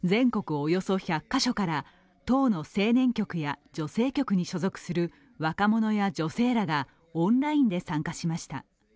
およそ１００カ所から党の青年局や女性局に所属する若者や女性らがオンラインで参加しました。